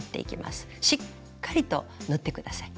しっかりと縫って下さい。